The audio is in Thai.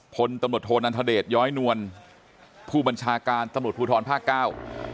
พลตำรวจโทนันทเดชย้อยนวลผู้บัญชาการตำรวจภูทรภาคเก้า